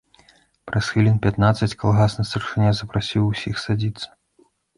Праз хвілін пятнаццаць калгасны старшыня запрасіў усіх садзіцца.